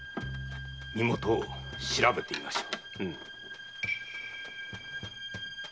身元を調べてみましょう。